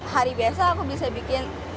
hari biasa aku bisa bikin